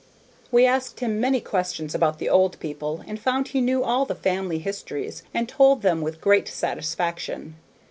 We asked him many questions about the old people, and found he knew all the family histories and told them with great satisfaction.